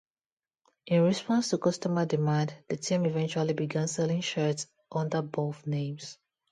In response to customer demand, the team eventually began selling shirts under both names.